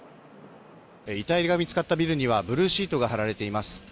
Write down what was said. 遺体が見つかったビルにはブルーシートが張られています。